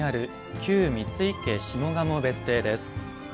旧三井家下鴨別邸です。